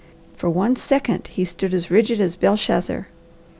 For one second he stood as rigid as Belshazzar.